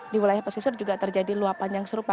di wilayah pesisir juga terjadi luapan yang serupa